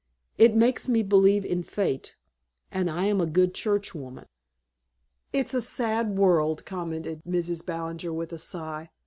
It makes me believe in Fate and I am a good Churchwoman." "It's a sad world," commented Mrs. Ballinger with a sigh.